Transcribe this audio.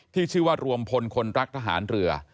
ที่ชื่อว่ารวมพลคนรักทหารเรือ